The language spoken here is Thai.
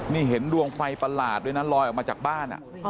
นี่เห็นดวงไฟประหลาดด้วยนะลอยออกมาจากบ้าน